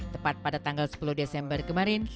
tepat pada tanggal sepuluh desember kemarin